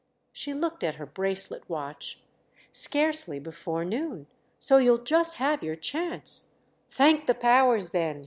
She looked at her bracelet watch. "Scarcely before noon. So you'll just have your chance—" "Thank the powers then!"